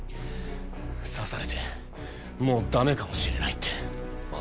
刺されてもうダメかもしれないって。